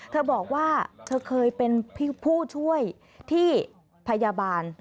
เธอบอกว่าเธอเคยเป็นผู้ช่วยที่พยาบาล